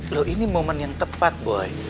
loh ini momen yang tepat boy